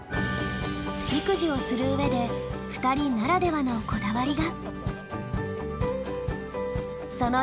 育児をする上で２人ならではのこだわりが。